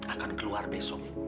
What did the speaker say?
akan keluar besok